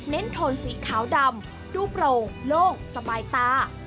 โทนสีขาวดำดูโปร่งโล่งสบายตา